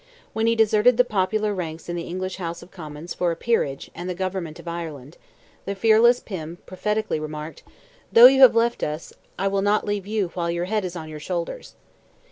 When he deserted the popular ranks in the English House of Commons for a Peerage and the government of Ireland, the fearless Pym prophetically remarked, "Though you have left us, I will not leave you while your head is on your shoulders."